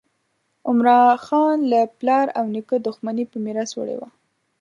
عمراخان له پلار او نیکه دښمني په میراث وړې وه.